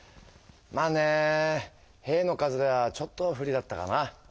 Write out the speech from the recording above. まあね兵の数がちょっと不利だったかな。